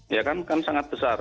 ya kan sangat besar